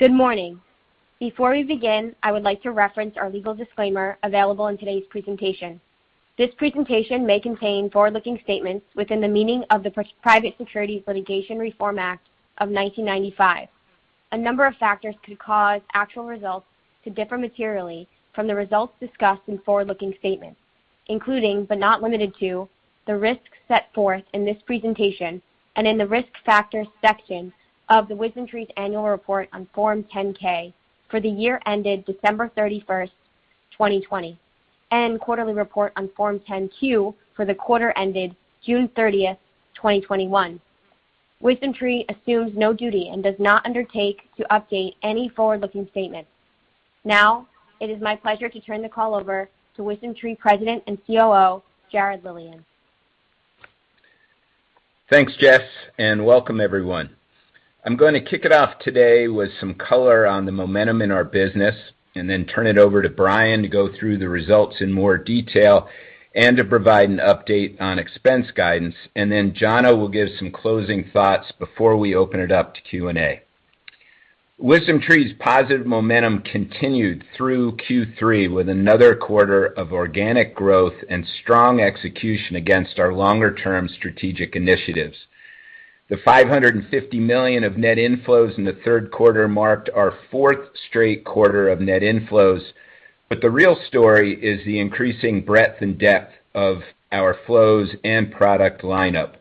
Good morning. Before we begin, I would like to reference our legal disclaimer available in today's presentation. This presentation may contain forward-looking statements within the meaning of the Private Securities Litigation Reform Act of 1995. A number of factors could cause actual results to differ materially from the results discussed in forward-looking statements, including, but not limited to, the risks set forth in this presentation and in the Risk Factors section of WisdomTree's annual report on Form 10-K for the year ended December 31st, 2020, and quarterly report on Form 10-Q for the quarter ended June 30th, 2021. WisdomTree assumes no duty and does not undertake to update any forward-looking statements. Now, it is my pleasure to turn the call over to WisdomTree President and COO, Jarrett Lilien. Thanks, Jess, and welcome everyone. I'm gonna kick it off today with some color on the momentum in our business, and then turn it over to Bryan to go through the results in more detail and to provide an update on expense guidance. Then Jonathan will give some closing thoughts before we open it up to Q&A. WisdomTree's positive momentum continued through Q3 with another quarter of organic growth and strong execution against our longer-term strategic initiatives. The $550 million of net inflows in the Q3 marked our fourth straight quarter of net inflows. The real story is the increasing breadth and depth of our flows and product lineup.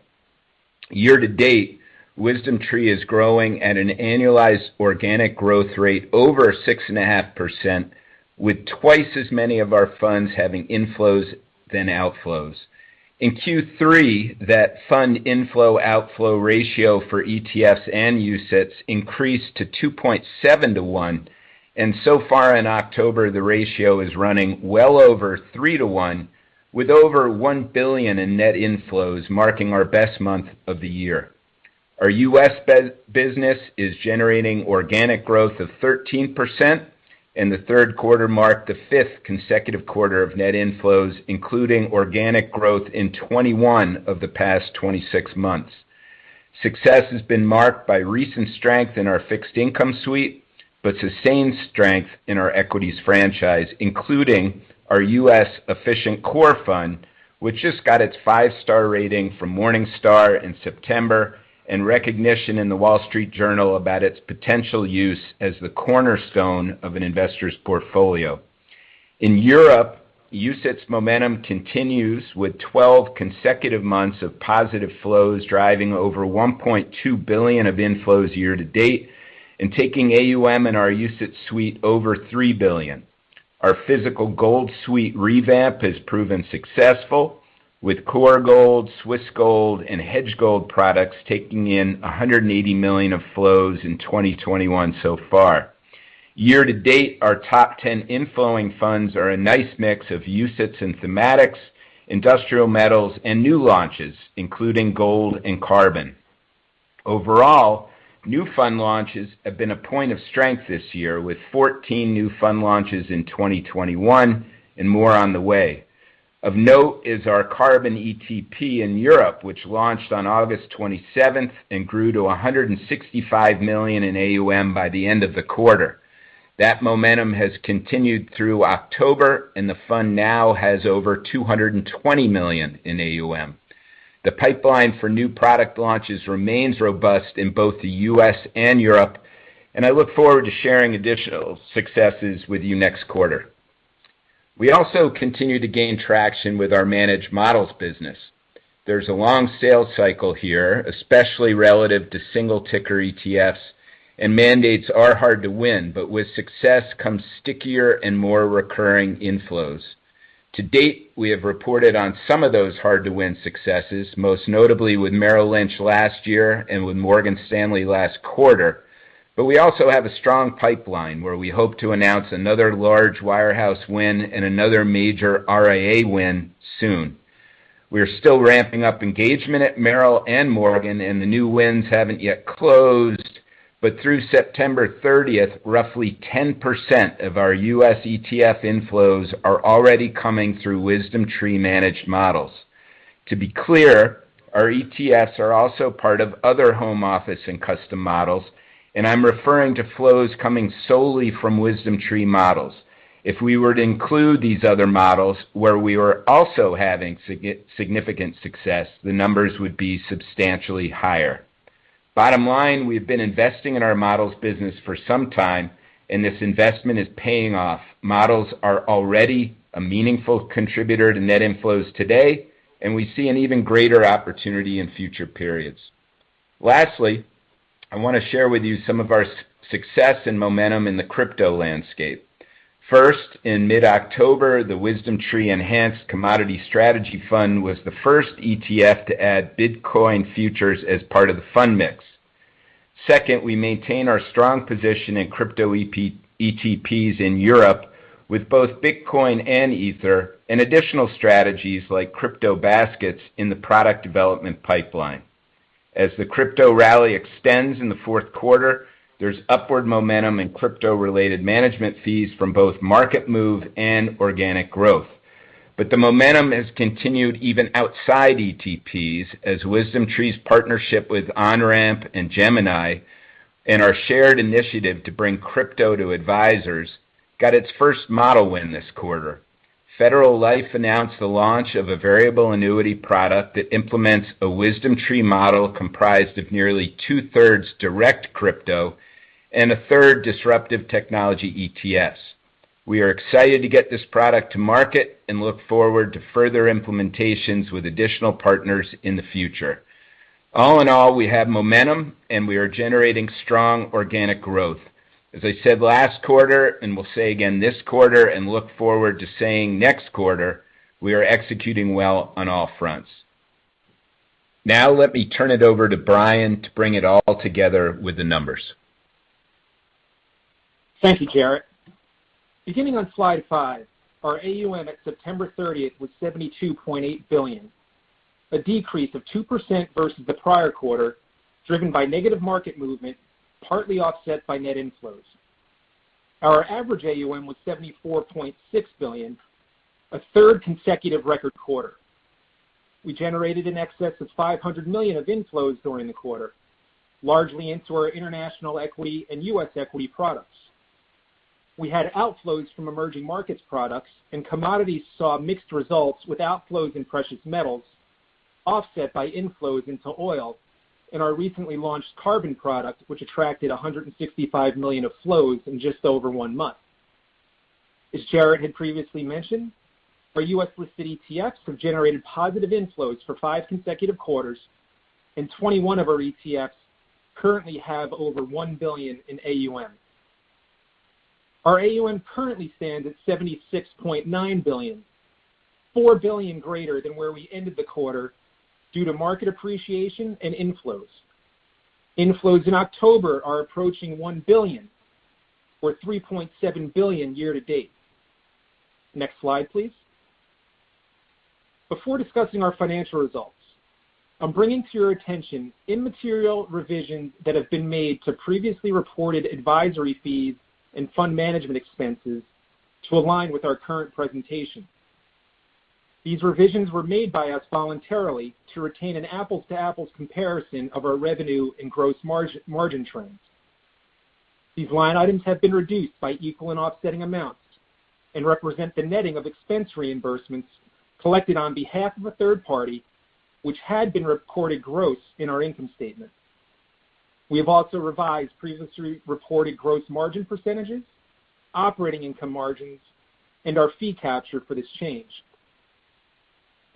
Year-to-date, WisdomTree is growing at an annualized organic growth rate over 6.5%, with twice as many of our funds having inflows than outflows. In Q3, that fund inflow/outflow ratio for ETFs and UCITS increased to 2.7-to-1, and so far in October, the ratio is running well over 3-to-1, with over $1 billion in net inflows, marking our best month of the year. Our U.S. business is generating organic growth of 13%, and the Q3 marked the fifth consecutive quarter of net inflows, including organic growth in 2021 of the past 26 months. Success has been marked by recent strength in our fixed income suite, but sustained strength in our equities franchise, including our U.S. Efficient Core Fund, which just got its 5-star rating from Morningstar in September, and recognition in The Wall Street Journal about its potential use as the cornerstone of an investor's portfolio. In Europe, UCITS momentum continues with 12 consecutive months of positive flows, driving over $1.2 billion of inflows year-to-date and taking AUM in our UCITS suite over $3 billion. Our Physical Gold Suite revamp has proven successful, with Core Gold, Swiss Gold, and Hedge Gold products taking in $180 million of flows in 2021 so far. Year-to-date, our top 10 inflowing funds are a nice mix of UCITS and thematics, industrial metals, and new launches, including gold and carbon. Overall, new fund launches have been a point of strength this year, with 14 new fund launches in 2021 and more on the way. Of note is our carbon ETP in Europe, which launched on August 27 and grew to $165 million in AUM by the end of the quarter. That momentum has continued through October, and the fund now has over $220 million in AUM. The pipeline for new product launches remains robust in both the U.S. and Europe, and I look forward to sharing additional successes with you next quarter. We also continue to gain traction with our managed models business. There's a long sales cycle here, especially relative to single-ticker ETFs, and mandates are hard to win, but with success comes stickier and more recurring inflows. To date, we have reported on some of those hard-to-win successes, most notably with Merrill Lynch last year and with Morgan Stanley last quarter. We also have a strong pipeline where we hope to announce another large wire house win and another major RIA win soon. We are still ramping up engagement at Merrill and Morgan Stanley, and the new wins haven't yet closed, but through September 30th, roughly 10% of our U.S. ETF inflows are already coming through WisdomTree managed models. To be clear, our ETFs are also part of other home office and custom models, and I'm referring to flows coming solely from WisdomTree models. If we were to include these other models where we are also having significant success, the numbers would be substantially higher. Bottom line, we've been investing in our models business for some time, and this investment is paying off. Models are already a meaningful contributor to net inflows today, and we see an even greater opportunity in future periods. Lastly, I wanna share with you some of our success and momentum in the crypto landscape. First, in mid-October, the WisdomTree Enhanced Commodity Strategy Fund was the first ETF to add Bitcoin futures as part of the fund mix. Second, we maintain our strong position in crypto ETPs in Europe with both Bitcoin and Ether and additional strategies like crypto baskets in the product development pipeline. As the crypto rally extends in the Q4, there's upward momentum in crypto-related management fees from both market move and organic growth. The momentum has continued even outside ETPs as WisdomTree's partnership with Onramp and Gemini and our shared initiative to bring crypto to advisors got its first model win this quarter. Federal Life announced the launch of a variable annuity product that implements a WisdomTree model comprised of nearly 2/3 direct crypto and a third disruptive technology ETFs. We are excited to get this product to market and look forward to further implementations with additional partners in the future. All in all, we have momentum, and we are generating strong organic growth. As I said last quarter, and will say again this quarter and look forward to saying next quarter, we are executing well on all fronts. Now let me turn it over to Bryan to bring it all together with the numbers. Thank you, Jarrett. Beginning on slide five, our AUM at September 30th was $72.8 billion, a decrease of 2% versus the prior quarter, driven by negative market movement, partly offset by net inflows. Our average AUM was $74.6 billion, a third consecutive record quarter. We generated in excess of $500 million of inflows during the quarter, largely into our international equity and U.S. equity products. We had outflows from emerging markets products, and commodities saw mixed results with outflows in precious metals, offset by inflows into oil in our recently launched carbon product, which attracted $165 million of flows in just over one month. As Jarrett had previously mentioned, our U.S. listed ETFs have generated positive inflows for five consecutive quarters, and 21 of our ETFs currently have over $1 billion in AUM. Our AUM currently stands at $76.9 billion, $4 billion greater than where we ended the quarter due to market appreciation and inflows. Inflows in October are approaching $1 billion, or $3.7 billion year to date. Next slide, please. Before discussing our financial results, I'm bringing to your attention immaterial revisions that have been made to previously reported advisory fees and fund management expenses to align with our current presentation. These revisions were made by us voluntarily to retain an apples-to-apples comparison of our revenue and gross margin trends. These line items have been reduced by equal and offsetting amounts and represent the netting of expense reimbursements collected on behalf of a third party, which had been recorded gross in our income statement. We have also revised previously reported gross margin percentages, operating income margins, and our fee capture for this change.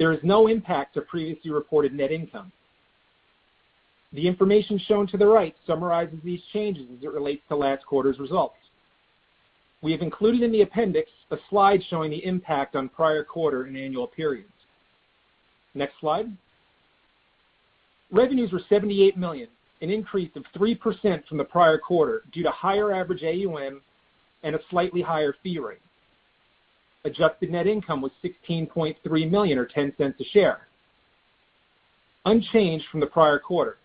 There is no impact to previously reported net income. The information shown to the right summarizes these changes as it relates to last quarter's results. We have included in the appendix a slide showing the impact on prior quarter and annual periods. Next slide. Revenues were $78 million, an increase of 3% from the prior quarter due to higher average AUM and a slightly higher fee rate. Adjusted net income was $16.3 million or $0.10 a share, unchanged from the prior quarter.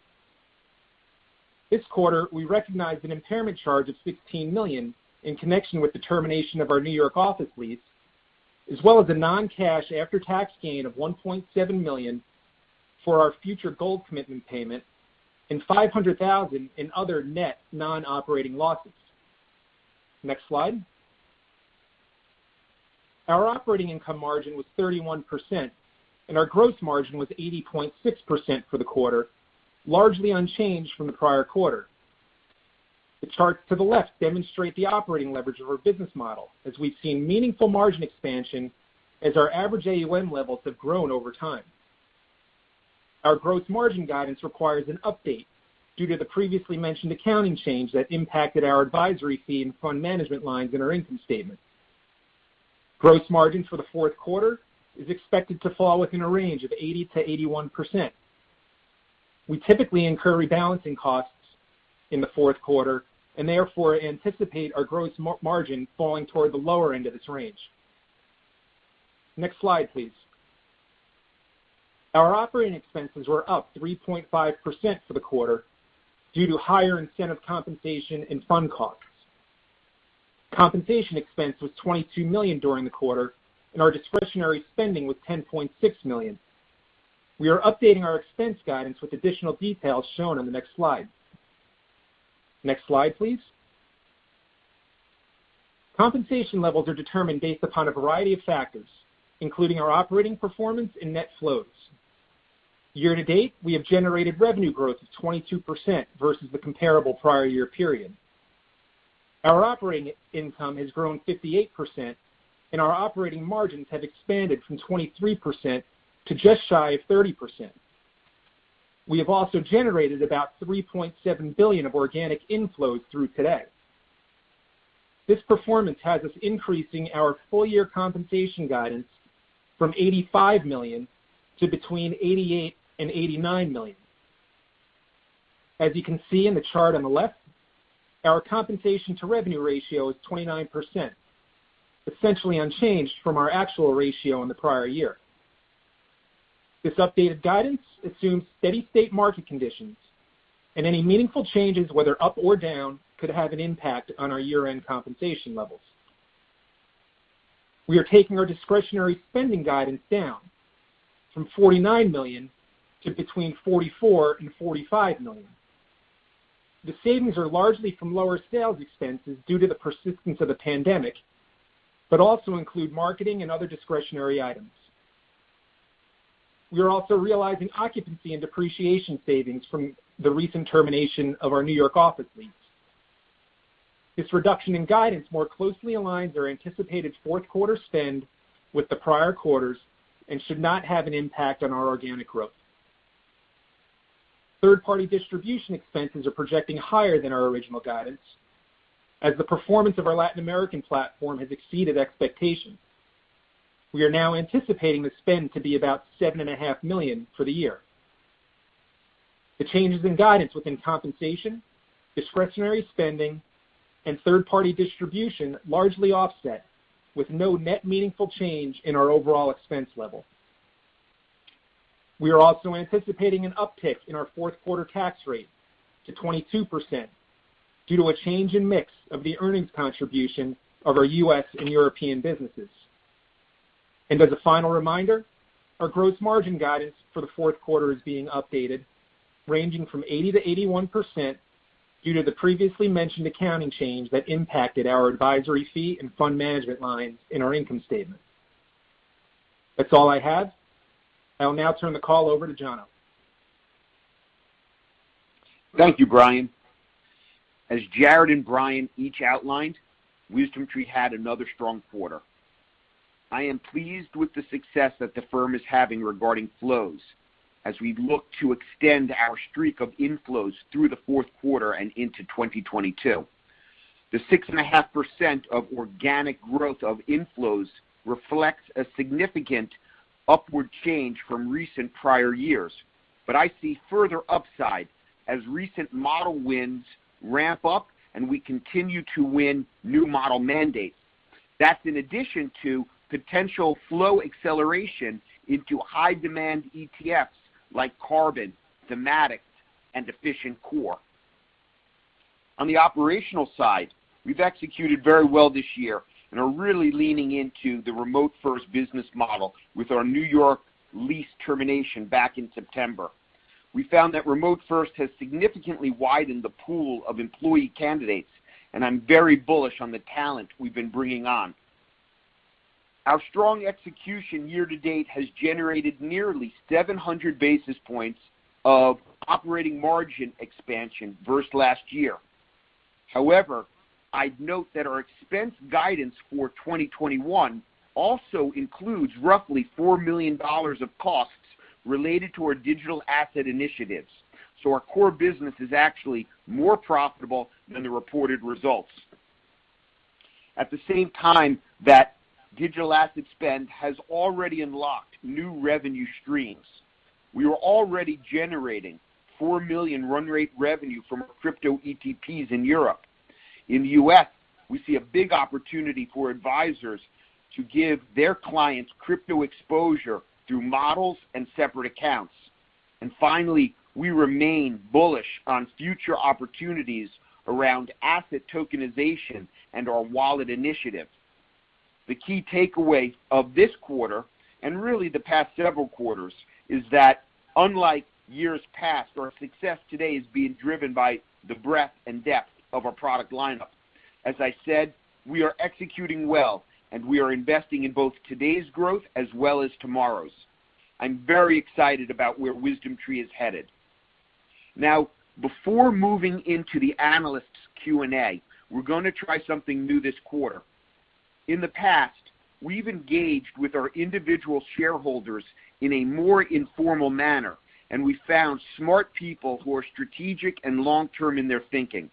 This quarter, we recognized an impairment charge of $16 million in connection with the termination of our New York office lease, as well as a non-cash after-tax gain of $1.7 million for our future gold commitment payment and $500,000 in other net non-operating losses. Next slide. Our operating income margin was 31%, and our gross margin was 80.6% for the quarter, largely unchanged from the prior quarter. The charts to the left demonstrate the operating leverage of our business model as we've seen meaningful margin expansion as our average AUM levels have grown over time. Our gross margin guidance requires an update due to the previously mentioned accounting change that impacted our advisory fee and fund management lines in our income statement. Gross margin for the Q4 is expected to fall within a range of 80%-81%. We typically incur rebalancing costs in the Q4 and therefore anticipate our gross margin falling toward the lower end of this range. Next slide, please. Our operating expenses were up 3.5% for the quarter due to higher incentive compensation and fund costs. Compensation expense was $22 million during the quarter, and our discretionary spending was $10.6 million. We are updating our expense guidance with additional details shown on the next slide. Next slide, please. Compensation levels are determined based upon a variety of factors, including our operating performance and net flows. Year to date, we have generated revenue growth of 22% versus the comparable prior year period. Our operating income has grown 58%, and our operating margins have expanded from 23% to just shy of 30%. We have also generated about $3.7 billion of organic inflows through today. This performance has us increasing our full year compensation guidance from $85 million to between $88 million and $89 million. As you can see in the chart on the left, our compensation to revenue ratio is 29%, essentially unchanged from our actual ratio in the prior year. This updated guidance assumes steady state market conditions and any meaningful changes, whether up or down, could have an impact on our year-end compensation levels. We are taking our discretionary spending guidance down from $49 million to between $44 million and $45 million. The savings are largely from lower sales expenses due to the persistence of the pandemic, but also include marketing and other discretionary items. We are also realizing occupancy and depreciation savings from the recent termination of our New York office lease. This reduction in guidance more closely aligns our anticipated Q4 spend with the prior quarters and should not have an impact on our organic growth. Third-party distribution expenses are projecting higher than our original guidance. As the performance of our Latin American platform has exceeded expectations, we are now anticipating the spend to be about $7.5 million for the year. The changes in guidance within compensation, discretionary spending, and third-party distribution largely offset with no net meaningful change in our overall expense level. We are also anticipating an uptick in our Q4 tax rate to 22% due to a change in mix of the earnings contribution of our U.S. and European businesses. As a final reminder, our gross margin guidance for the Q4 is being updated, ranging from 80%-81% due to the previously mentioned accounting change that impacted our advisory fee and fund management lines in our income statement. That's all I have. I will now turn the call over to Jonathan. Thank you, Bryan. As Jarrett and Bryan each outlined, WisdomTree had another strong quarter. I am pleased with the success that the firm is having regarding flows as we look to extend our streak of inflows through the Q4 and into 2022. The 6.5% of organic growth of inflows reflects a significant upward change from recent prior years. I see further upside as recent model wins ramp up, and we continue to win new model mandates. That's in addition to potential flow acceleration into high demand ETFs like carbon, thematic, and efficient core. On the operational side, we've executed very well this year and are really leaning into the remote first business model with our New York lease termination back in September. We found that remote first has significantly widened the pool of employee candidates, and I'm very bullish on the talent we've been bringing on. Our strong execution year to date has generated nearly 700 basis points of operating margin expansion versus last year. However, I'd note that our expense guidance for 2021 also includes roughly $4 million of costs related to our digital asset initiatives. Our core business is actually more profitable than the reported results. At the same time, that digital asset spend has already unlocked new revenue streams. We are already generating $4 million run rate revenue from crypto ETPs in Europe. In the U.S., we see a big opportunity for advisors to give their clients crypto exposure through models and separate accounts. Finally, we remain bullish on future opportunities around asset tokenization and our wallet initiative. The key takeaway of this quarter, and really the past several quarters, is that unlike years past, our success today is being driven by the breadth and depth of our product lineup. As I said, we are executing well, and we are investing in both today's growth as well as tomorrow's. I'm very excited about where WisdomTree is headed. Now, before moving into the analysts' Q&A, we're going to try something new this quarter. In the past, we've engaged with our individual shareholders in a more informal manner, and we found smart people who are strategic and long-term in their thinking.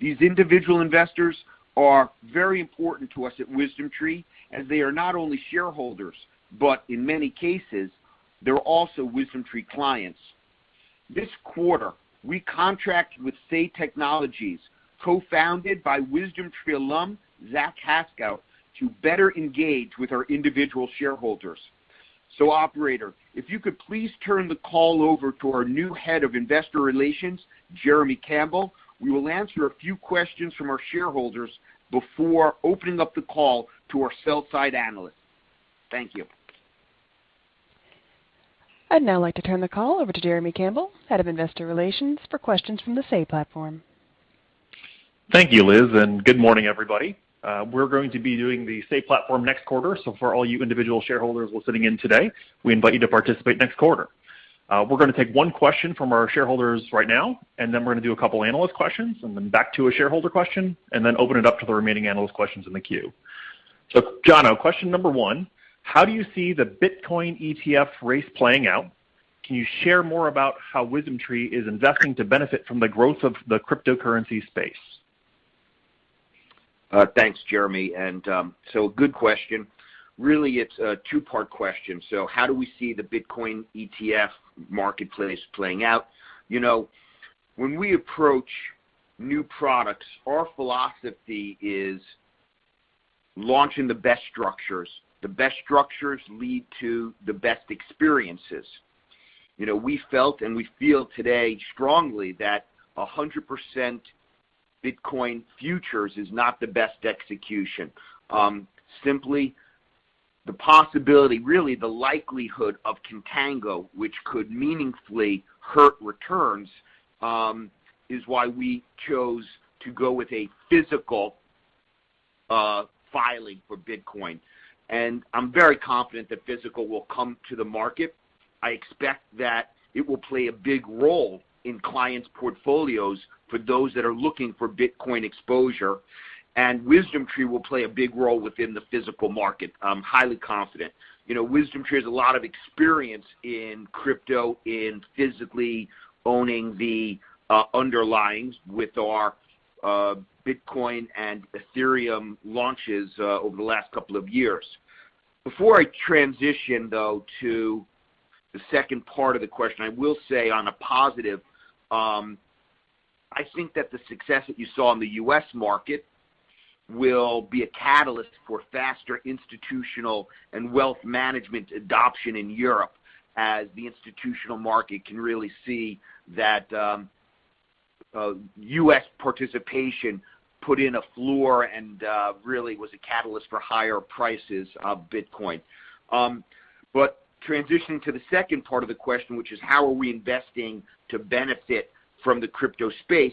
These individual investors are very important to us at WisdomTree, as they are not only shareholders, but in many cases, they're also WisdomTree clients. This quarter, we contracted with Say Technologies, co-founded by WisdomTree alum Zach Hascoe, to better engage with our individual shareholders. Operator, if you could please turn the call over to our new Head of Investor Relations, Jeremy Campbell. We will answer a few questions from our shareholders before opening up the call to our sell-side analysts. Thank you. I'd now like to turn the call over to Jeremy Campbell, Head of Investor Relations, for questions from the Say platform. Thank you, Liz, and good morning, everybody. We're going to be doing the Say platform next quarter. For all you individual shareholders listening in today, we invite you to participate next quarter. We're gonna take one question from our shareholders right now, and then we're gonna do a couple analyst questions, and then back to a shareholder question, and then open it up to the remaining analyst questions in the queue. Jonathan, question number one, how do you see the Bitcoin ETF race playing out? Can you share more about how WisdomTree is investing to benefit from the growth of the cryptocurrency space? Thanks, Jeremy. Good question. Really, it's a two-part question. How do we see the Bitcoin ETF marketplace playing out? You know, when we approach new products, our philosophy is launching the best structures. The best structures lead to the best experiences. You know, we felt and we feel today strongly that 100% Bitcoin futures is not the best execution. Simply the possibility, really the likelihood of contango, which could meaningfully hurt returns, is why we chose to go with a physical filing for Bitcoin. I'm very confident that physical will come to the market. I expect that it will play a big role in clients' portfolios for those that are looking for Bitcoin exposure, and WisdomTree will play a big role within the physical market. I'm highly confident. You know, WisdomTree has a lot of experience in crypto, in physically owning the underlyings with our Bitcoin and Ethereum launches over the last couple of years. Before I transition, though, to the second part of the question, I will say on a positive, I think that the success that you saw in the U.S. market will be a catalyst for faster institutional and wealth management adoption in Europe as the institutional market can really see that, U.S. participation put in a floor and really was a catalyst for higher prices of Bitcoin. Transitioning to the second part of the question, which is how are we investing to benefit from the crypto space.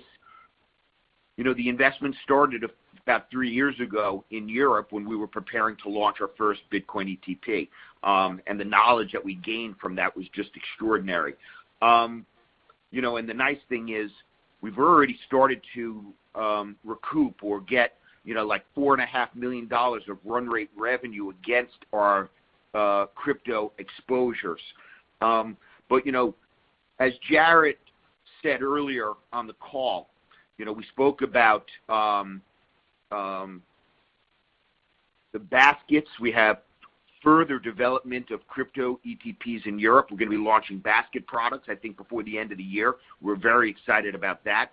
You know, the investment started about three years ago in Europe when we were preparing to launch our first Bitcoin ETP, and the knowledge that we gained from that was just extraordinary. You know, the nice thing is we've already started to recoup or get, you know, like $4.5 million of run rate revenue against our crypto exposures. You know, as Jarrett said earlier on the call, you know, we spoke about the baskets. We have further development of crypto ETPs in Europe. We're gonna be launching basket products, I think, before the end of the year. We're very excited about that.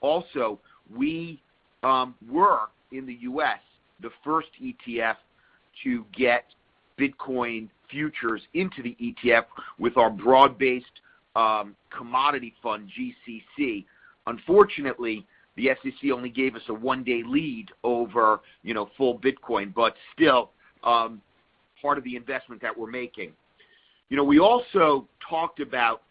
Also, we were in the U.S., the first ETF to get Bitcoin futures into the ETF with our broad-based commodity fund, GCC. Unfortunately, the SEC only gave us a one-day lead over, you know, full Bitcoin, but still, part of the investment that we're making. You know, we also talked about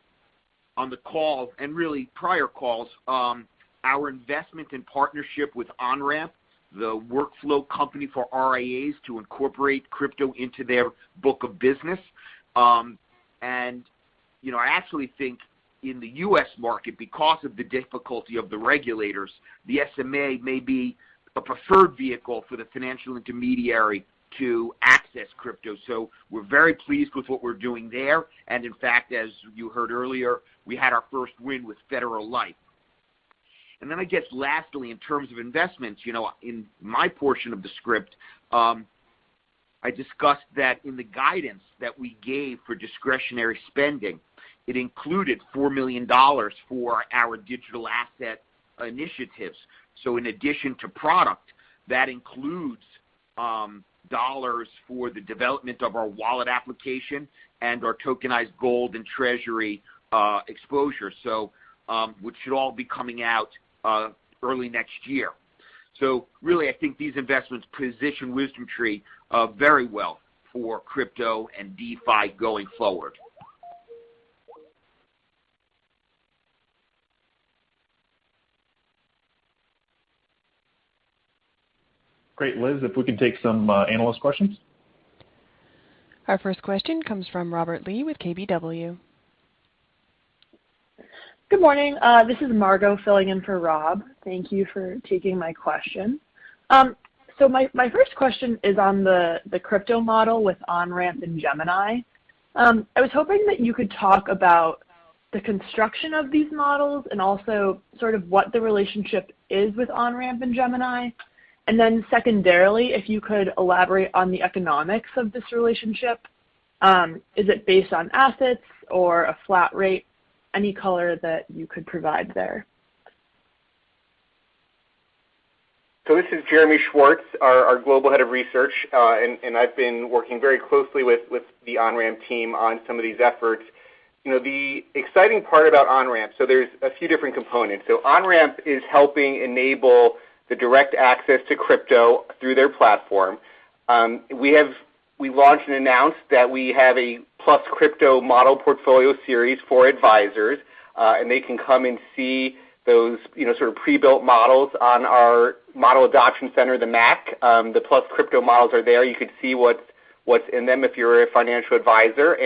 on the call and really prior calls, our investment and partnership with Onramp, the workflow company for RIAs to incorporate crypto into their book of business. You know, I actually think in the U.S. market, because of the difficulty of the regulators, the SMA may be a preferred vehicle for the financial intermediary to access crypto. So we're very pleased with what we're doing there. In fact, as you heard earlier, we had our first win with Federal Life. I guess lastly, in terms of investments, you know, in my portion of the script, I discussed that in the guidance that we gave for discretionary spending, it included $4 million for our digital asset initiatives. In addition to product, that includes dollars for the development of our wallet application and our tokenized gold and treasury exposure, which should all be coming out early next year. Really, I think these investments position WisdomTree very well for crypto and DeFi going forward. Great. Liz, if we can take some analyst questions. Our first question comes from Robert Lee with KBW. Good morning. This is Margo filling in for Rob. Thank you for taking my question. My first question is on the crypto model with Onramp and Gemini. I was hoping that you could talk about the construction of these models and also sort of what the relationship is with Onramp and Gemini. Secondarily, if you could elaborate on the economics of this relationship, is it based on assets or a flat rate? Any color that you could provide there. This is Jeremy Schwartz, our Global Head of Research, and I've been working very closely with the Onramp team on some of these efforts. You know, the exciting part about Onramp. There's a few different components. Onramp is helping enable the direct access to crypto through their platform. We launched and announced that we have a plus crypto model portfolio series for advisors, and they can come and see those, you know, sort of pre-built models on our model adoption center, the MAC. The plus crypto models are there. You could see what's in them if you're a financial advisor.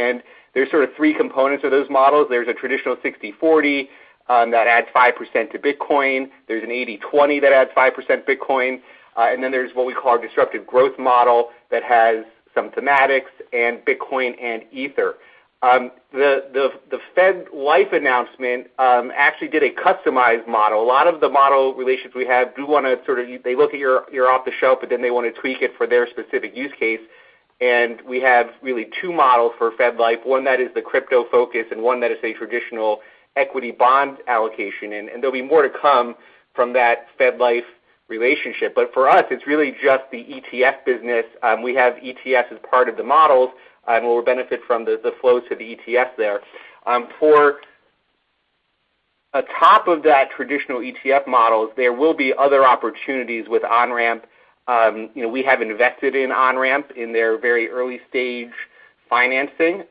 There's sort of three components of those models. There's a traditional 60/40 that adds 5% to Bitcoin. There's an 80/20 that adds 5% Bitcoin. There's what we call our disruptive growth model that has some thematics in Bitcoin and Ether. The Federal Life announcement actually did a customized model. A lot of the model relationships we have do wanna sort of look at your off-the-shelf, but then they wanna tweak it for their specific use case. We have really two models for Federal Life. One that is the crypto focus, and one that is a traditional equity bond allocation. There'll be more to come from that Federal Life relationship. For us, it's really just the ETF business. We have ETFs as part of the models, and we'll benefit from the flow to the ETF there. On top of that traditional ETF models, there will be other opportunities with Onramp. You know, we have invested in Onramp in their very early stage financing.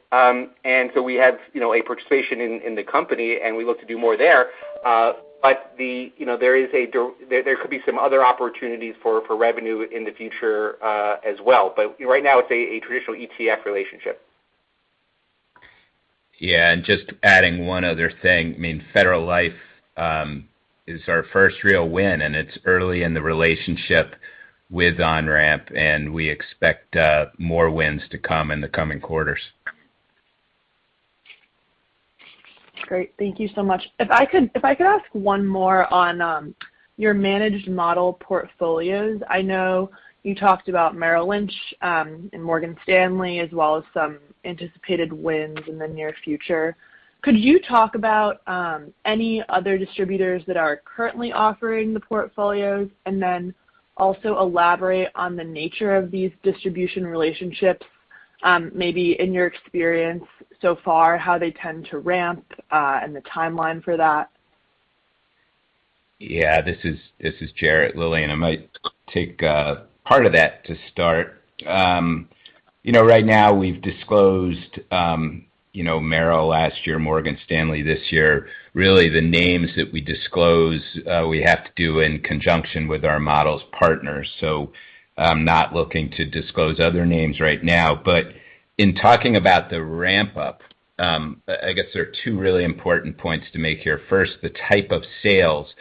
We have, you know, a participation in the company, and we look to do more there. You know, there could be some other opportunities for revenue in the future, as well. Right now it's a traditional ETF relationship. Just adding one other thing. I mean, Federal Life is our first real win, and it's early in the relationship with Onramp, and we expect more wins to come in the coming quarters. Great. Thank you so much. If I could ask one more on your managed model portfolios. I know you talked about Merrill Lynch and Morgan Stanley, as well as some anticipated wins in the near future. Could you talk about any other distributors that are currently offering the portfolios? Then also elaborate on the nature of these distribution relationships, maybe in your experience so far, how they tend to ramp and the timeline for that. Yeah. This is Jarrett Lilien. I might take part of that to start. You know, right now we've disclosed, you know, Merrill last year, Morgan Stanley this year. Really the names that we disclose, we have to do in conjunction with our model partners. I'm not looking to disclose other names right now. In talking about the ramp up, I guess there are two really important points to make here. First, the type of sales,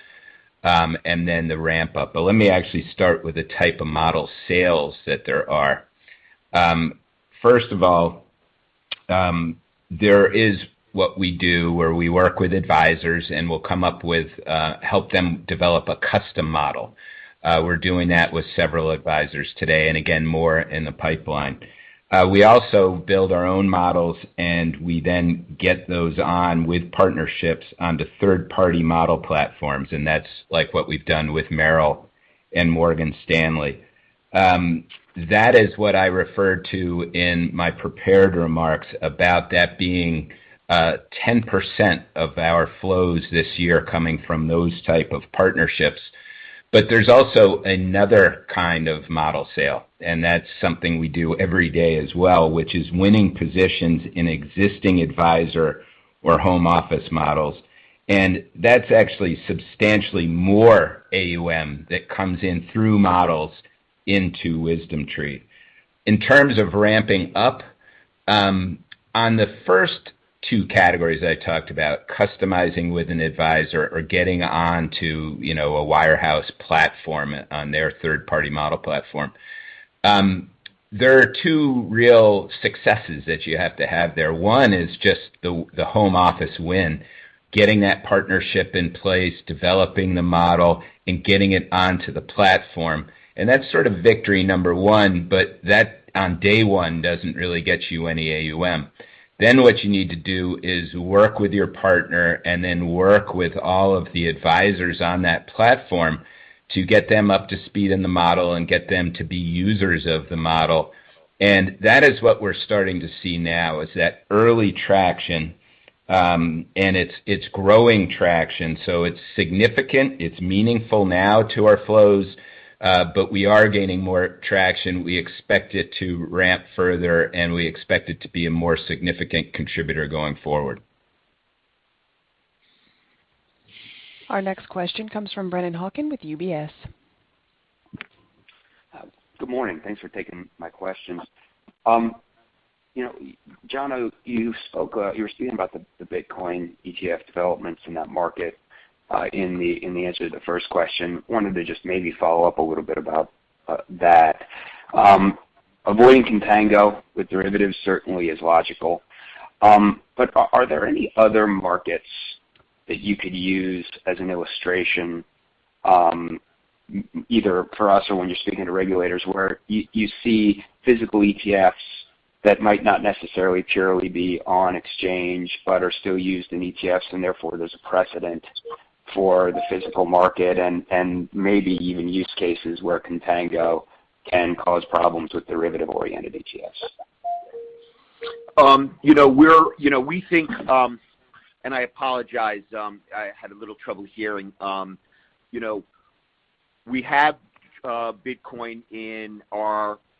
and then the ramp up. Let me actually start with the type of model sales that there are. First of all, there is what we do where we work with advisors and we'll come up with, help them develop a custom model. We're doing that with several advisors today, and again, more in the pipeline. We also build our own models, and we then get those on with partnerships on the third-party model platforms, and that's like what we've done with Merrill and Morgan Stanley. That is what I referred to in my prepared remarks about that being 10% of our flows this year coming from those type of partnerships. There's also another kind of model sale, and that's something we do every day as well, which is winning positions in existing advisor or home office models. That's actually substantially more AUM that comes in through models into WisdomTree. In terms of ramping up, on the first two categories I talked about, customizing with an advisor or getting onto a wirehouse platform on their third-party model platform. There are two real successes that you have to have there. One is just the home office win, getting that partnership in place, developing the model, and getting it onto the platform. That's sort of victory number one, but that on day one doesn't really get you any AUM. What you need to do is work with your partner and then work with all of the advisors on that platform to get them up to speed in the model and get them to be users of the model. That is what we're starting to see now, is that early traction, and it's growing traction. It's significant, it's meaningful now to our flows, but we are gaining more traction. We expect it to ramp further, and we expect it to be a more significant contributor going forward. Our next question comes from Brennan Hawken with UBS. Good morning. Thanks for taking my questions. You know, Jonathan, you were speaking about the Bitcoin ETF developments in that market in the answer to the first question. I wanted to just maybe follow up a little bit about that. Avoiding contango with derivatives certainly is logical. But are there any other markets that you could use as an illustration, either for us or when you're speaking to regulators, where you see physical ETFs that might not necessarily purely be on exchange but are still used in ETFs, and therefore there's a precedent for the physical market and maybe even use cases where contango can cause problems with derivative-oriented ETFs? I apologize, I had a little trouble hearing. You know, we have Bitcoin in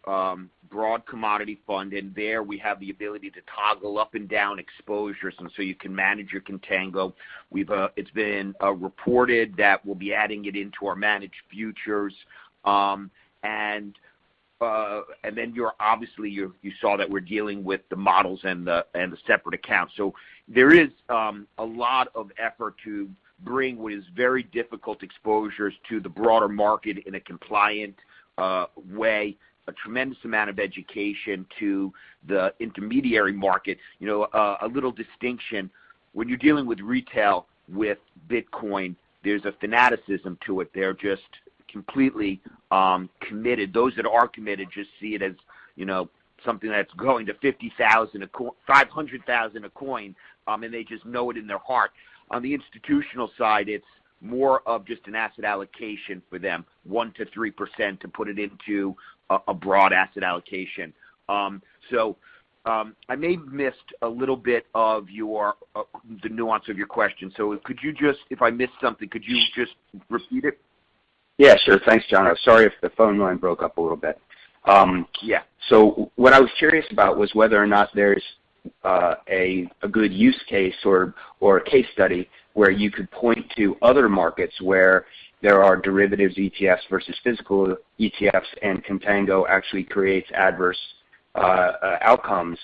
our broad commodity fund, and there we have the ability to toggle up and down exposures, and so you can manage your contango. It's been reported that we'll be adding it into our managed futures. You're obviously you saw that we're dealing with the models and the separate accounts. There is a lot of effort to bring what is very difficult exposures to the broader market in a compliant way, a tremendous amount of education to the intermediary market. You know, a little distinction, when you're dealing with retail, with Bitcoin, there's a fanaticism to it. They're just completely committed. Those that are committed just see it as, you know, something that's going to 500,000 a coin, and they just know it in their heart. On the institutional side, it's more of just an asset allocation for them, 1%-3% to put it into a broad asset allocation. I may have missed a little bit of your, the nuance of your question. If I missed something, could you just repeat it? Yeah, sure. Thanks, Jonathan. Sorry if the phone line broke up a little bit. Yeah. What I was curious about was whether or not there's a good use case or a case study where you could point to other markets where there are derivatives ETFs versus physical ETFs, and contango actually creates adverse outcomes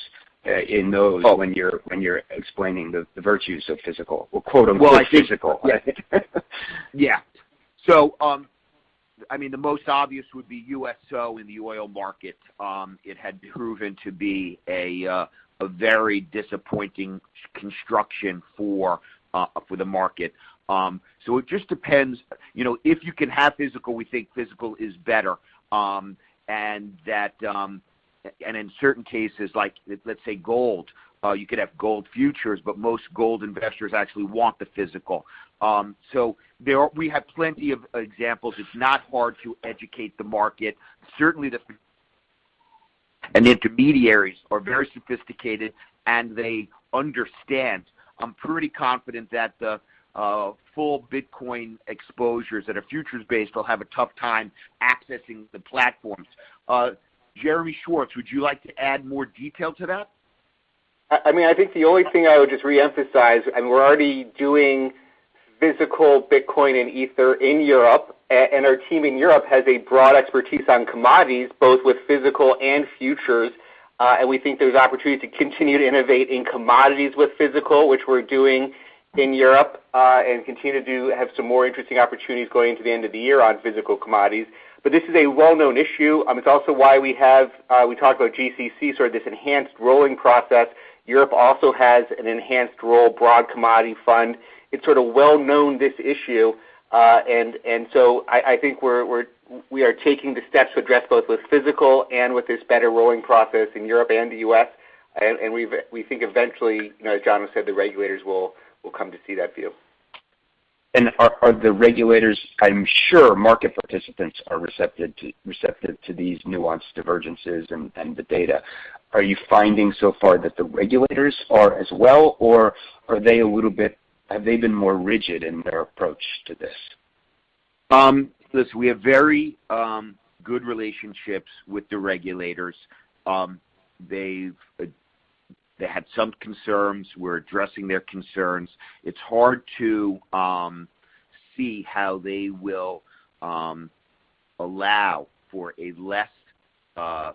in those. Oh. When you're explaining the virtues of physical or quote, unquote, "physical". I mean, the most obvious would be USO in the oil market. It had proven to be a very disappointing construction for the market. It just depends. You know, if you can have physical, we think physical is better. In certain cases, like, let's say gold, you could have gold futures, but most gold investors actually want the physical. There are plenty of examples. It's not hard to educate the market. Certainly, the end-users and intermediaries are very sophisticated, and they understand. I'm pretty confident that the full Bitcoin exposures that are futures-based will have a tough time accessing the platforms. Jeremy Schwartz, would you like to add more detail to that? I mean, I think the only thing I would just re-emphasize, and we're already doing physical Bitcoin and Ether in Europe, and our team in Europe has a broad expertise on commodities, both with physical and futures. We think there's opportunity to continue to innovate in commodities with physical, which we're doing in Europe, and continue to have some more interesting opportunities going into the end of the year on physical commodities. But this is a well-known issue. It's also why we have, we talk about GCC, sort of this enhanced rolling process. Europe also has an enhanced roll broad commodity fund. It's sort of well-known, this issue. I think we are taking the steps to address both with physical and with this better rolling process in Europe and the U.S. We think eventually, you know, as Jonathan has said, the regulators will come to see that view. Are the regulators, I'm sure market participants are receptive to these nuanced divergences and the data. Are you finding so far that the regulators are as well, or have they been more rigid in their approach to this? Listen, we have very good relationships with the regulators. They've had some concerns. We're addressing their concerns. It's hard to see how they will allow for a less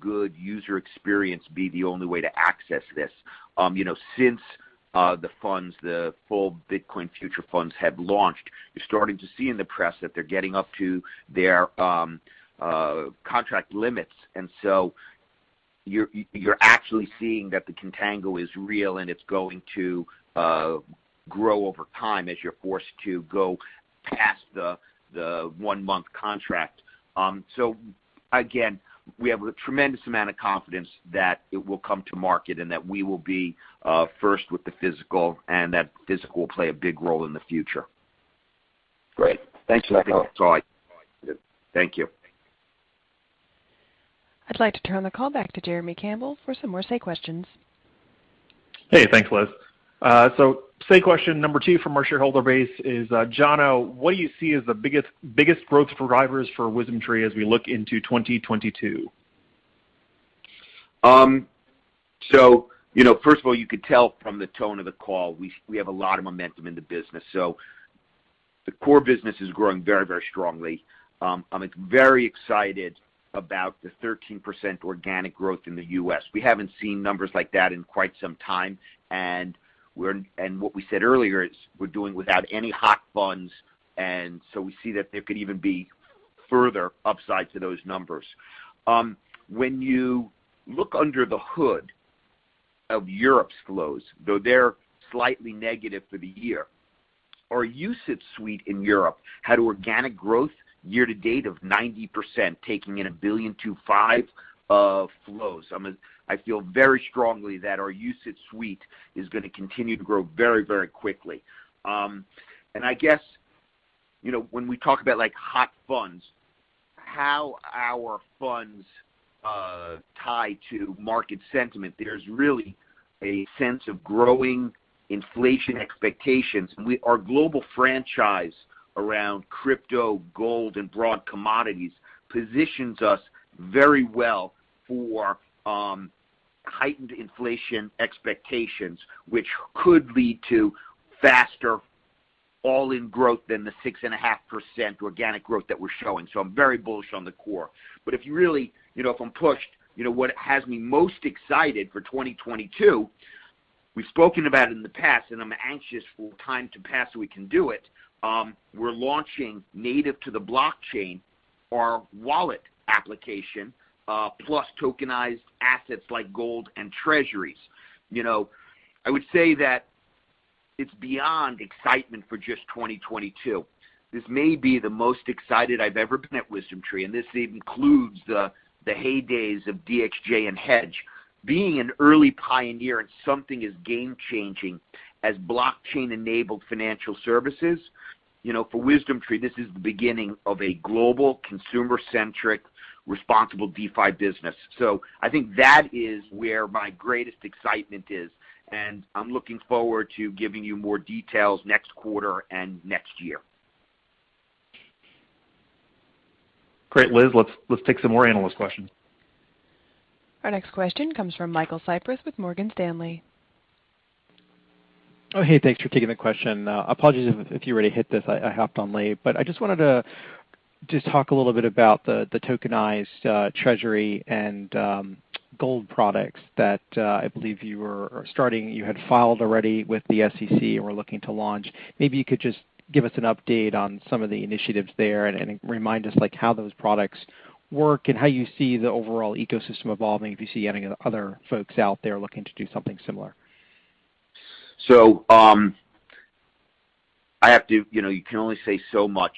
good user experience be the only way to access this. You know, since the funds, the full Bitcoin futures funds have launched, you're starting to see in the press that they're getting up to their contract limits. You're actually seeing that the contango is real, and it's going to grow over time as you're forced to go past the one-month contract. Again, we have a tremendous amount of confidence that it will come to market and that we will be first with the physical and that physical will play a big role in the future. Great. Thanks, Jonathan. I think that's all. Thank you. I'd like to turn the call back to Jeremy Campbell for some more Q&A questions. Hey, thanks, Liz. The question number two from our shareholder base is, Jonathan, what do you see as the biggest growth drivers for WisdomTree as we look into 2022? You know, first of all, you could tell from the tone of the call, we have a lot of momentum in the business. The core business is growing very, very strongly. I'm very excited about the 13% organic growth in the U.S.. We haven't seen numbers like that in quite some time, and what we said earlier is we're doing without any hot funds, and so we see that there could even be further upside to those numbers. When you look under the hood of Europe's flows, though they're slightly negative for the year, our UCITS suite in Europe had organic growth year to date of 90%, taking in $1.25 billion of flows. I feel very strongly that our UCITS suite is gonna continue to grow very, very quickly. I guess, you know, when we talk about, like, hot funds, how our funds tie to market sentiment, there's really a sense of growing inflation expectations. Our global franchise around crypto, gold, and broad commodities positions us very well for heightened inflation expectations, which could lead to faster all-in growth than the 6.5% organic growth that we're showing. I'm very bullish on the core. If you really, you know, if I'm pushed, you know, what has me most excited for 2022, we've spoken about in the past, and I'm anxious for time to pass, so we can do it. We're launching native to the blockchain, our wallet application, plus tokenized assets like gold and treasuries. You know, I would say that it's beyond excitement for just 2022. This may be the most excited I've ever been at WisdomTree, and this includes the heydays of DXJ and HEDJ. Being an early pioneer in something as game-changing as blockchain-enabled financial services, you know, for WisdomTree, this is the beginning of a global consumer-centric, responsible DeFi business. I think that is where my greatest excitement is, and I'm looking forward to giving you more details next quarter and next year. Great. Liz, let's take some more analyst questions. Our next question comes from Michael Cyprys with Morgan Stanley. Oh, hey, thanks for taking the question. Apologies if you already hit this. I hopped on late. I just wanted to just talk a little bit about the tokenized treasury and gold products that I believe you had filed already with the SEC and were looking to launch. Maybe you could just give us an update on some of the initiatives there and remind us like how those products work and how you see the overall ecosystem evolving, if you see any other folks out there looking to do something similar. I have to. You know, you can only say so much,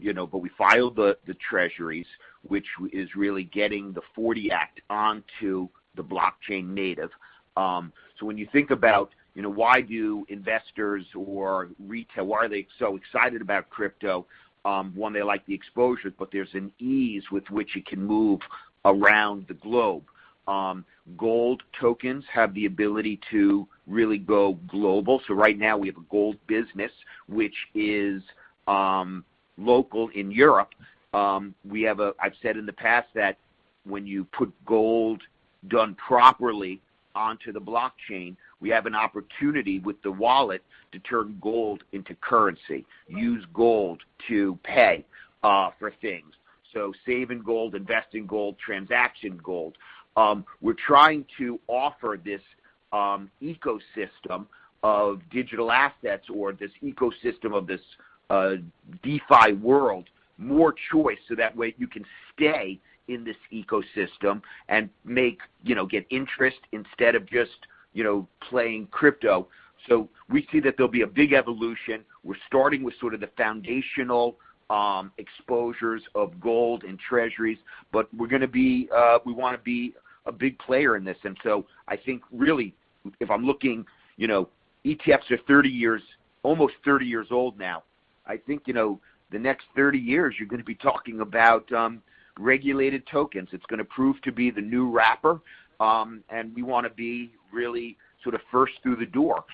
you know, but we filed the treasuries, which is really getting the 40 Act onto the blockchain native. When you think about, you know, why do investors or retail, why are they so excited about crypto? One, they like the exposure, but there's an ease with which it can move around the globe. Gold tokens have the ability to really go global. Right now, we have a gold business, which is local in Europe. I've said in the past that when you put gold done properly onto the blockchain, we have an opportunity with the wallet to turn gold into currency, use gold to pay for things. Save in gold, invest in gold, transaction gold. We're trying to offer this ecosystem of digital assets or this ecosystem of this DeFi world more choice, so that way you can stay in this ecosystem and make, you know, get interest instead of just, you know, playing crypto. We see that there'll be a big evolution. We're starting with sort of the foundational exposures of gold and treasuries, but we wanna be a big player in this. I think really, if I'm looking, you know, ETFs are 30 years, almost 30 years old now. I think, you know, the next 30 years you're gonna be talking about regulated tokens. It's gonna prove to be the new wrapper, and we wanna be really sort of first through the door.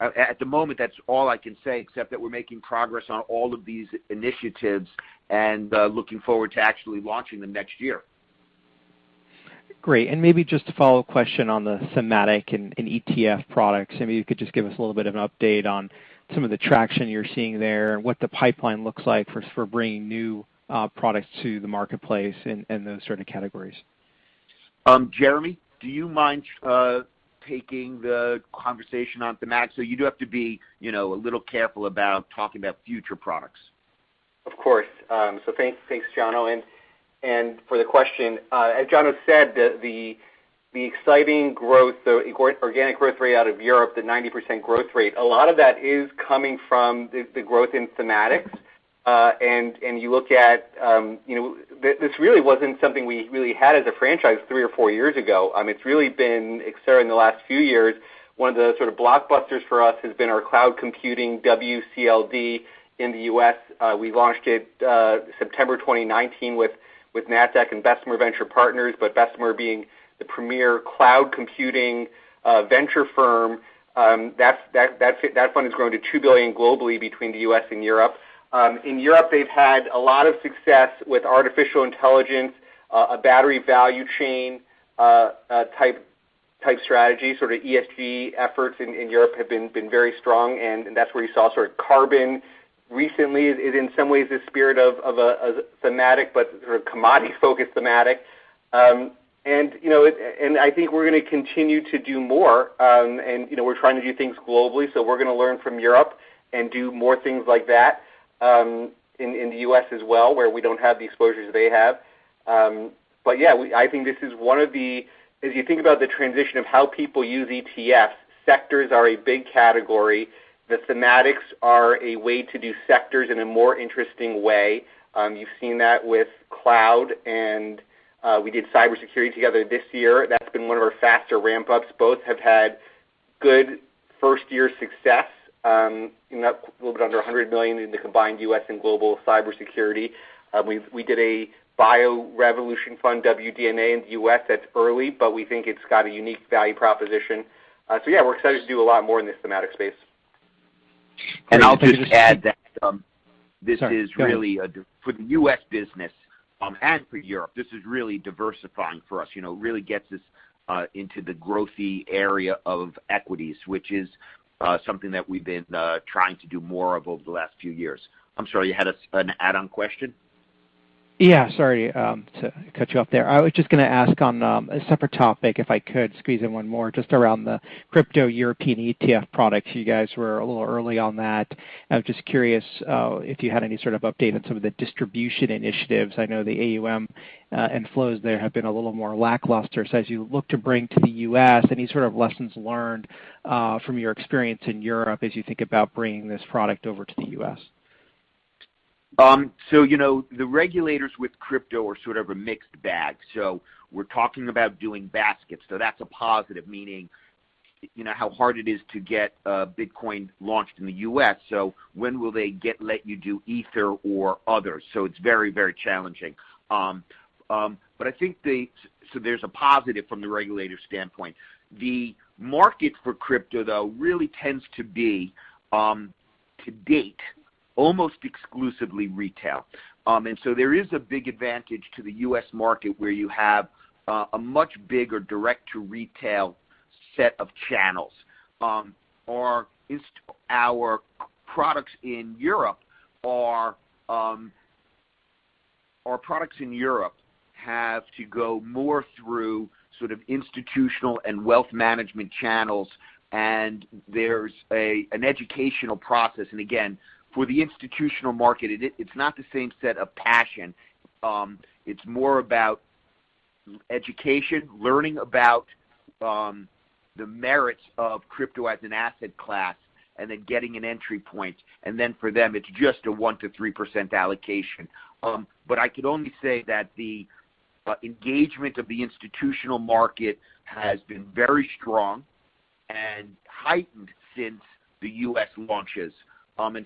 At the moment, that's all I can say, except that we're making progress on all of these initiatives and looking forward to actually launching them next year. Great. Maybe just a follow-up question on the thematic and ETF products. Maybe you could just give us a little bit of an update on some of the traction you're seeing there and what the pipeline looks like for bringing new products to the marketplace in those certain categories. Jeremy, do you mind taking the conversation on thematic? You do have to be, you know, a little careful about talking about future products. Of course. Thanks, Jonathan, and for the question. As Jonathan said, the exciting growth, the organic growth rate out of Europe, the 90% growth rate, a lot of that is coming from the growth in thematics. You look at, you know, this really wasn't something we really had as a franchise three or four years ago. It's really been accelerating the last few years. One of the sort of blockbusters for us has been our cloud computing WCLD in the U.S.. We launched it September 2019 with Nasdaq and Bessemer Venture Partners. But Bessemer being the premier cloud computing venture firm, that fund has grown to $2 billion globally between the U.S. and Europe. In Europe, they've had a lot of success with artificial intelligence, a battery value chain, type strategy. Sort of ESG efforts in Europe have been very strong, and that's where you saw sort of carbon recently is in some ways the spirit of a thematic but sort of commodity-focused thematic. You know, it. I think we're gonna continue to do more. You know, we're trying to do things globally, so we're gonna learn from Europe and do more things like that, in the U.S. as well, where we don't have the exposures they have. Yeah, I think this is one of the. If you think about the transition of how people use ETFs, sectors are a big category. The thematics are a way to do sectors in a more interesting way. You've seen that with cloud and we did cybersecurity together this year. That's been one of our faster ramp-ups. Both have had good first-year success, you know, a little bit under $100 million in the combined U.S. and global cybersecurity. We did a BioRevolution Fund, WDNA, in the U.S.. That's early, but we think it's got a unique value proposition. Yeah, we're excited to do a lot more in this thematic space. I'll just add that, this is really for the U.S. business, and for Europe, this is really diversifying for us, you know, really gets us into the growthy area of equities, which is something that we've been trying to do more of over the last few years. I'm sorry, you had an add-on question? Yeah, sorry, to cut you off there. I was just gonna ask on a separate topic if I could squeeze in one more just around the crypto European ETF products. You guys were a little early on that. I was just curious if you had any sort of update on some of the distribution initiatives. I know the AUM inflows there have been a little more lackluster. So as you look to bring to the U.S., any sort of lessons learned from your experience in Europe as you think about bringing this product over to the U.S.? You know, the regulators with crypto are sort of a mixed bag. We're talking about doing baskets, so that's a positive. Meaning, you know how hard it is to get Bitcoin launched in the U.S., so when will they get let you do Ether or others? It's very challenging. But I think there's a positive from the regulator standpoint. The market for crypto, though, really tends to be, to date, almost exclusively retail. There is a big advantage to the U.S. market where you have a much bigger direct-to-retail set of channels. Our products in Europe have to go more through sort of institutional and wealth management channels, and there's an educational process. Again, for the institutional market, it's not the same set of passion. It's more about education, learning about, the merits of crypto as an asset class, and then getting an entry point. Then for them, it's just a 1%-3% allocation. But I can only say that the engagement of the institutional market has been very strong and heightened since the U.S. launches.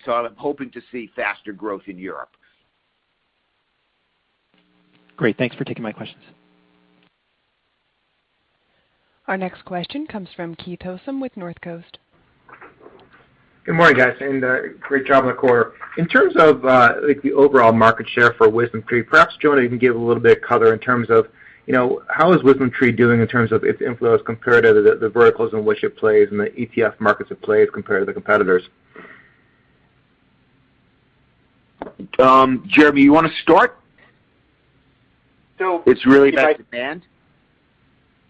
So I'm hoping to see faster growth in Europe. Great. Thanks for taking my questions. Our next question comes from Keith Housum with Northcoast. Good morning, guys, and great job on the quarter. In terms of like the overall market share for WisdomTree, perhaps Jonathan you can give a little bit of color in terms of you know how is WisdomTree doing in terms of its inflows compared to the verticals in which it plays and the ETF markets it plays compared to the competitors? Jeremy, you wanna start? So. It's really about demand.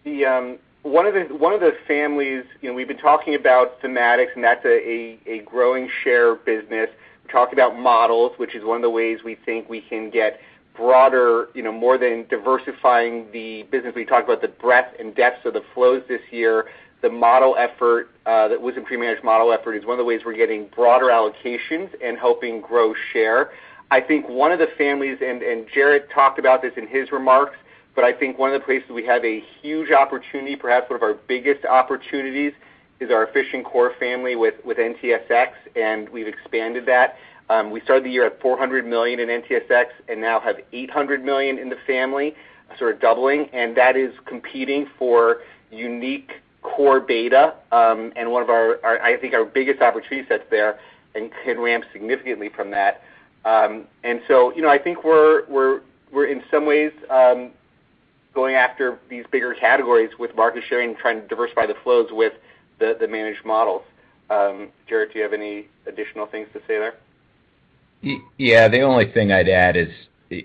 The one of the families, you know, we've been talking about thematics, and that's a growing share business. We talked about models, which is one of the ways we think we can get broader, you know, more than diversifying the business. We talked about the breadth and depth of the flows this year. The model effort, the WisdomTree Managed Model effort is one of the ways we're getting broader allocations and helping grow share. I think one of the families, and Jarrett talked about this in his remarks, but I think one of the places we have a huge opportunity, perhaps one of our biggest opportunities, is our efficient core family with NTSX, and we've expanded that. We started the year at $400 million in NTSX and now have $800 million in the family, so we're doubling, and that is competing for unique core beta, and one of our I think our biggest opportunity sets there and can ramp significantly from that. You know, I think we're in some ways going after these bigger categories with market sharing, trying to diversify the flows with the managed models. Jarrett, do you have any additional things to say there? Yeah. The only thing I'd add is,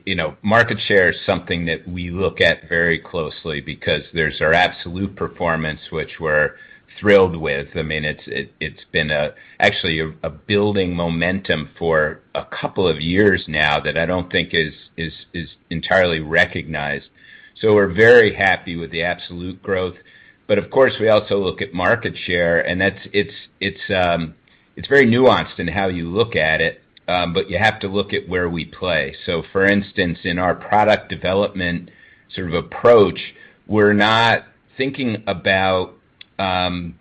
you know, market share is something that we look at very closely because there's our absolute performance, which we're thrilled with. I mean, it's actually a building momentum for a couple of years now that I don't think is entirely recognized. We're very happy with the absolute growth. Of course, we also look at market share, and that's very nuanced in how you look at it, but you have to look at where we play. For instance, in our product development sort of approach, we're not thinking about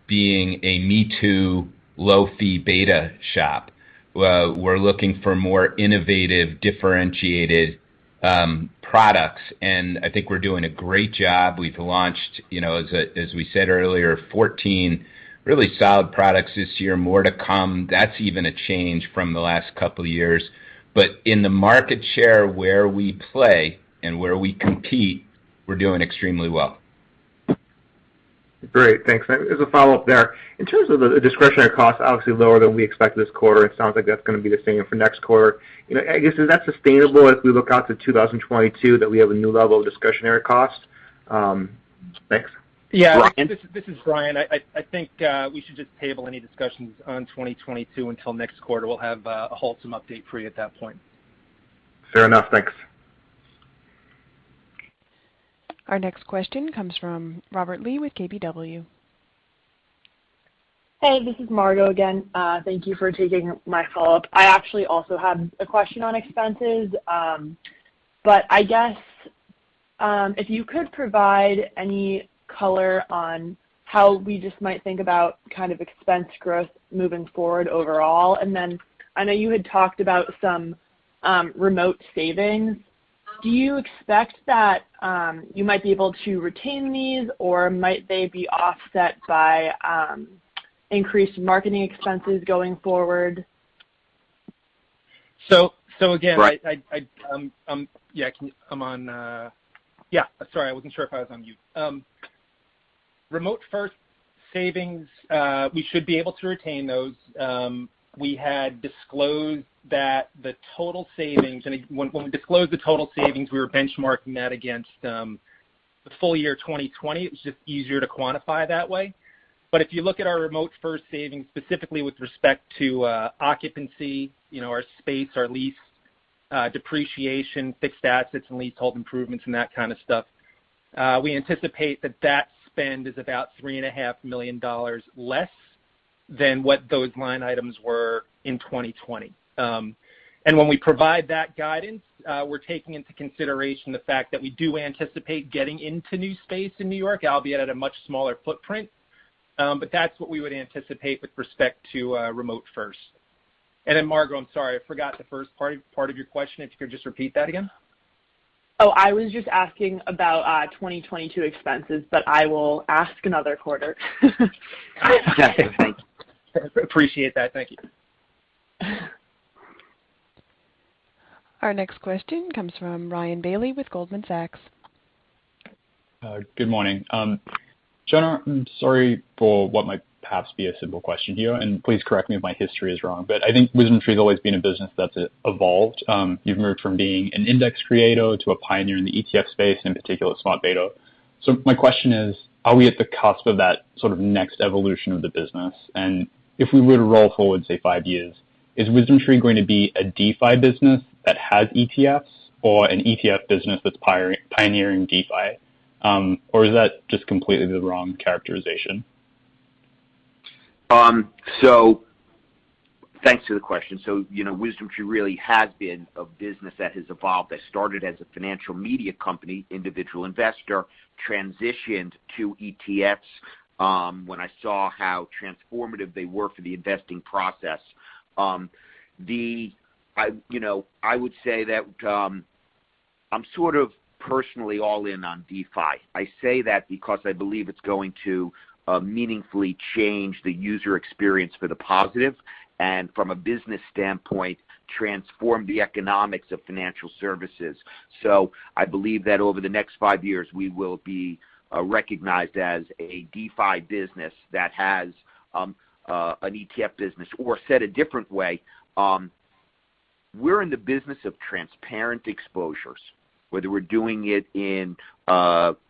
being a me-too low fee beta shop. We're looking for more innovative, differentiated products, and I think we're doing a great job. We've launched, you know, as we said earlier, 14 really solid products this year, more to come. That's even a change from the last couple of years. In the market share where we play and where we compete, we're doing extremely well. Great. Thanks. As a follow-up there, in terms of the discretionary costs, obviously lower than we expected this quarter, it sounds like that's gonna be the same for next quarter. You know, I guess, is that sustainable as we look out to 2022, that we have a new level of discretionary cost? Thanks. Yeah. Bryan? This is Bryan. I think we should just table any discussions on 2022 until next quarter. We'll have a whole update for you at that point. Fair enough. Thanks. Our next question comes from Robert Lee with KBW. Hey, this is Margo again. Thank you for taking my follow-up. I actually also have a question on expenses. I guess if you could provide any color on how we just might think about kind of expense growth moving forward overall. I know you had talked about some remote savings. Do you expect that you might be able to retain these or might they be offset by increased marketing expenses going forward? So, so again. Bryan? Yeah, sorry, I wasn't sure if I was on mute. Remote first savings, we should be able to retain those. We had disclosed that the total savings. When we disclosed the total savings, we were benchmarking that against the full year 2020. It was just easier to quantify that way. If you look at our remote first savings, specifically with respect to occupancy, you know, our space, our lease, depreciation, fixed assets and leasehold improvements and that kind of stuff, we anticipate that spend is about $3.5 million less than what those line items were in 2020. When we provide that guidance, we're taking into consideration the fact that we do anticipate getting into new space in New York, albeit at a much smaller footprint. That's what we would anticipate with respect to remote first. Then Margo, I'm sorry, I forgot the first part of your question, if you could just repeat that again. Oh, I was just asking about 2022 expenses, but I will ask another quarter. Got it. Thank you. Appreciate that. Thank you. Our next question comes from Ryan Bailey with Goldman Sachs. Good morning. Jonathan, I'm sorry for what might perhaps be a simple question to you, and please correct me if my history is wrong, but I think WisdomTree's always been a business that's evolved. You've moved from being an index creator to a pioneer in the ETF space, in particular, smart beta. My question is, are we at the cusp of that sort of next evolution of the business? And if we were to roll forward, say, five years, is WisdomTree going to be a DeFi business that has ETFs or an ETF business that's pioneering DeFi? Or is that just completely the wrong characterization? Thanks for the question. You know, WisdomTree really has been a business that has evolved. That started as a financial media company, individual investor, transitioned to ETFs when I saw how transformative they were for the investing process. You know, I would say that I'm sort of personally all in on DeFi. I say that because I believe it's going to meaningfully change the user experience for the positive and from a business standpoint, transform the economics of financial services. I believe that over the next five years, we will be recognized as a DeFi business that has an ETF business. Said a different way, we're in the business of transparent exposures, whether we're doing it in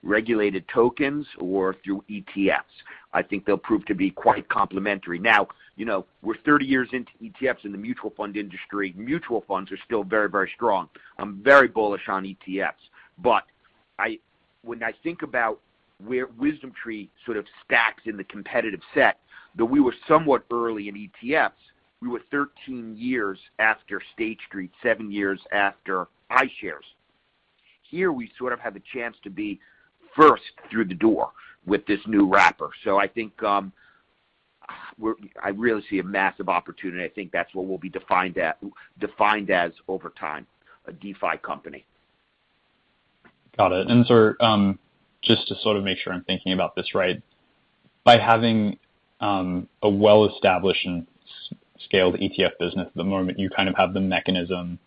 regulated tokens or through ETFs. I think they'll prove to be quite complementary. Now, you know, we're 30 years into ETFs in the mutual fund industry. Mutual funds are still very, very strong. I'm very bullish on ETFs. But when I think about where WisdomTree sort of stacks in the competitive set, though we were somewhat early in ETFs, we were 13 years after State Street, seven years after iShares. Here we sort of have the chance to be first through the door with this new wrapper. I think, I really see a massive opportunity. I think that's what we'll be defined as over time, a DeFi company. Got it. Just to sort of make sure I'm thinking about this right. By having a well-established and scaled ETF business at the moment, you kind of have the mechanism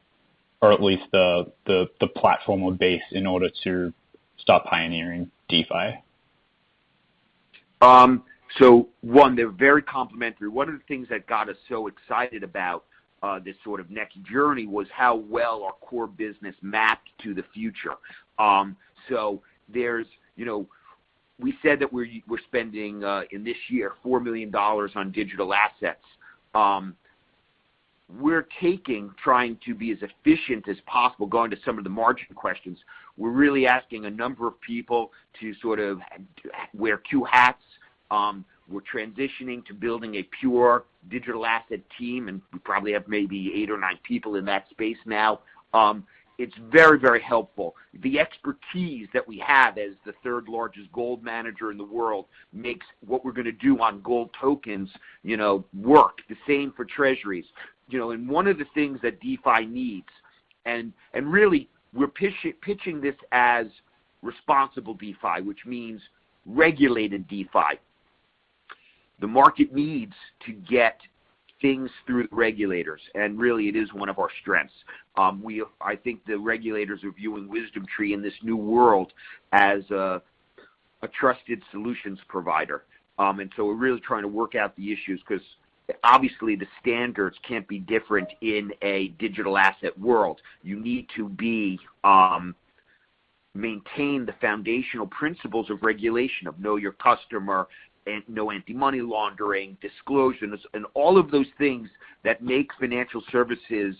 or at least the platform or base in order to start pioneering DeFi? One, they're very complementary. One of the things that got us so excited about this sort of next journey was how well our core business mapped to the future. There's, you know, we said that we're spending in this year $4 million on digital assets. We're trying to be as efficient as possible. Going to some of the margin questions, we're really asking a number of people to sort of wear two hats. We're transitioning to building a pure digital asset team, and we probably have maybe eight or nine people in that space now. It's very, very helpful. The expertise that we have as the third-largest gold manager in the world makes what we're gonna do on gold tokens, you know, work. The same for treasuries. You know, one of the things that DeFi needs, and really we're pitching this as responsible DeFi, which means regulated DeFi. The market needs to get things through regulators, and really, it is one of our strengths. I think the regulators are viewing WisdomTree in this new world as a trusted solutions provider. We're really trying to work out the issues because obviously the standards can't be different in a digital asset world. You need to maintain the foundational principles of regulation, of know your customer and know anti-money laundering, disclosures, and all of those things that make financial services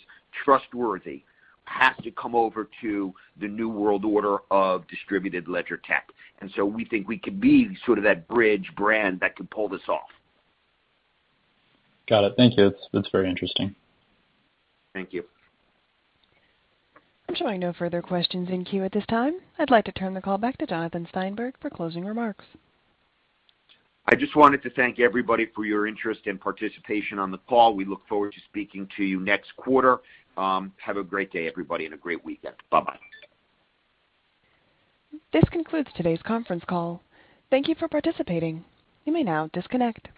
trustworthy has to come over to the new world order of distributed ledger tech. We think we could be sort of that bridge brand that could pull this off. Got it. Thank you. That's very interesting. Thank you. I'm showing no further questions in queue at this time. I'd like to turn the call back to Jonathan Steinberg for closing remarks. I just wanted to thank everybody for your interest and participation on the call. We look forward to speaking to you next quarter. Have a great day, everybody, and a great weekend. Bye-bye. This concludes today's conference call. Thank you for participating. You may now disconnect.